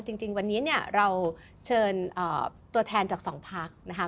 จริงวันนี้เนี่ยเราเชิญตัวแทนจากสองพักนะคะ